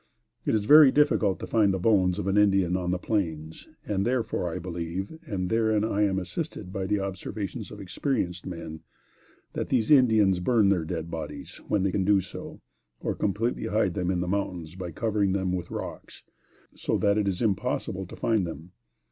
It is very difficult to find the bones of an Indian on the plains, and therefore I believe, and herein I am assisted by the observations of experienced men, that these Indians burn their dead bodies when they can do so, or completely hide them in the mountains by covering them with rocks, so that it is impossible to find them.